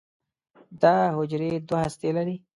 دا حجرې دوه هستې لري.